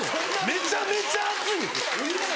めちゃめちゃ熱いです！